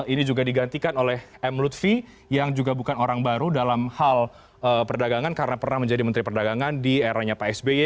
ini juga digantikan oleh m lutfi yang juga bukan orang baru dalam hal perdagangan karena pernah menjadi menteri perdagangan di eranya pak sby